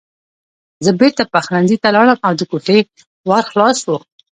زه بېرته پخلنځي ته لاړم او د کوټې ور خلاص و